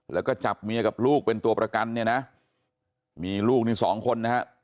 แล้วก็จับเมียกับลูกเป็นตัวประกันเนี่ยนะมีลูกนี่สองคนนะฮะ